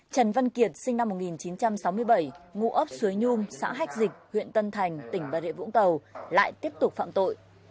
trần văn kiệt sinh năm một nghìn chín trăm sáu mươi bảy ngụ ấp suối nhôm xã hách dịch huyện tân thành tỉnh bà rịa vũng tàu lại tiếp tục phạm tội